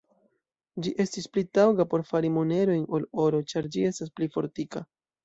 Ĝi estis pli taŭga por fari monerojn ol oro, ĉar ĝi estas pli fortika.